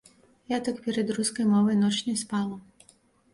Я так перад рускай мовай ноч не спала.